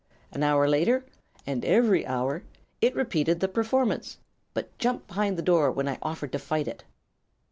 An hour later, and every hour, it repeated the performance, but jumped behind the door when I offered to fight it.